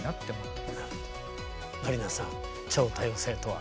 麻里奈さん超多様性とは？